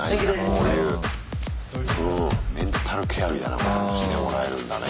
こういううんメンタルケアみたいなこともしてもらえるんだね。